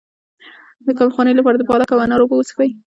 د کمخونۍ لپاره د پالک او انار اوبه وڅښئ